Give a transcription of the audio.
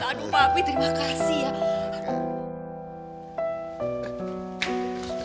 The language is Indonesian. aduh mapi terima kasih ya